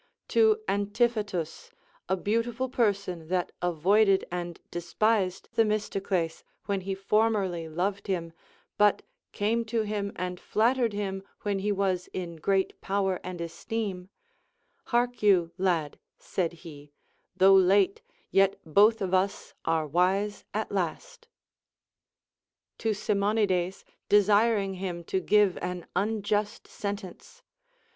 To Antiphatus, a beau tiful person that avoided and despised Themistocles when he formerly loved him, but came to him and flattered him Λνΐιοη he was in great power and esteem ; Hark you, lad, said he, though late, yet both of us are wise at last. To Simonides desiring him to give an unjust sentence.